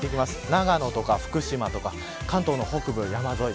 長野とか福島とか関東の北部山沿い。